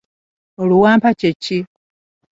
Oluwampa kye ki?